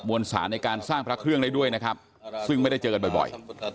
วนศาลในการสร้างพระเครื่องได้ด้วยนะครับซึ่งไม่ได้เจอกันบ่อย